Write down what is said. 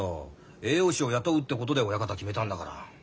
栄養士を雇うってことで親方決めたんだから。